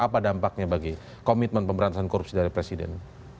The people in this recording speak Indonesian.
jadi apa dampaknya bagi komitmen pemberantasan korupsi dari presiden